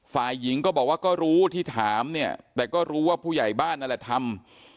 ฝ่ายหญิงก็บอกว่าก็รู้ที่ถามเนี่ยแต่ก็รู้ว่าผู้ใหญ่บ้านนั่นแหละทำ